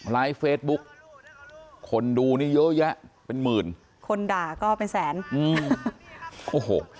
ไลฟ์เฟซบุ๊กคนดูนี่เยอะแยะเป็นหมื่นคนด่าก็เป็นแสนอืมโอ้โห